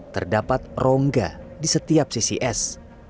terdapat rongga di setiap sisi es